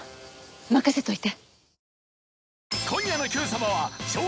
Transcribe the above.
任せといて。